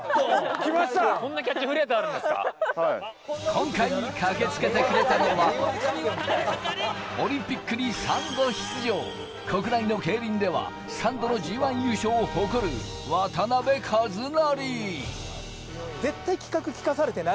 今回、駆けつけてくれたのはオリンピックに３度出場、国内の競輪では３度のＧ１優勝を誇る渡邉一成。